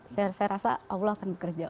saya rasa allah akan bekerja